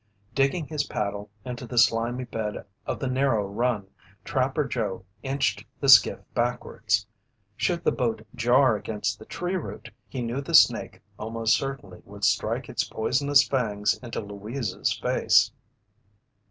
Digging his paddle into the slimy bed of the narrow run, Trapper Joe inched the skiff backwards. Should the boat jar against the tree root, he knew the snake almost certainly would strike its poisonous fangs into Louise's face.